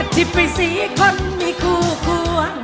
ที่ไปซื้อคนมีคู่คู่